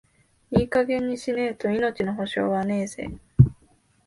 いい加減にしねえと、命の保証はねえぜ。